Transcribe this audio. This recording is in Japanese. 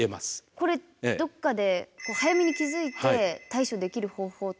これどっかで早めに気付いて対処できる方法ってあるんですか？